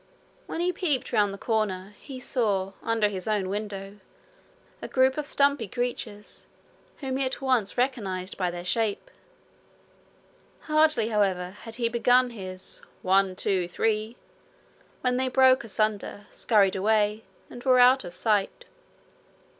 When he peeped round the corner, he saw, under his own window, a group of stumpy creatures, whom he at once recognized by their shape. Hardly, however, had he begun his 'One, two, three!' when they broke asunder, scurried away, and were out of sight.